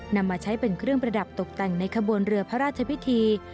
นำมาใช้เป็นเครื่องประดับตกแต่งในขบวนเรือพระราชพิธี